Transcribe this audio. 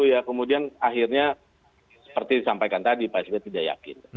ya kemudian akhirnya seperti disampaikan tadi pak sby tidak yakin